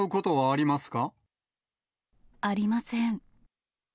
ありません。